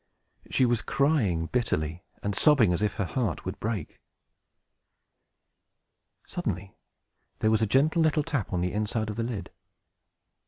She was crying bitterly, and sobbing as if her heart would break. Suddenly there was a gentle little tap on the inside of the lid.